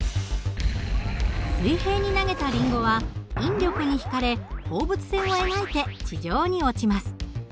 水平に投げたリンゴは引力に引かれ放物線を描いて地上に落ちます。